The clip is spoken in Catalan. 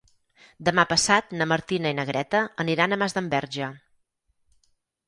Demà passat na Martina i na Greta aniran a Masdenverge.